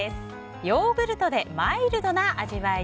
ヨーグルトでマイルドな味わいに！